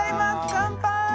乾杯！